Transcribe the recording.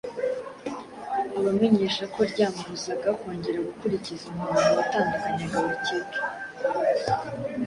abamenyesha ko ryamubuzaga kongera gukurikiza umuhango watandukanyaga abakebwe